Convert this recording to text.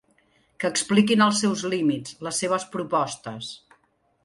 Que expliquin els seus límits, les seves propostes.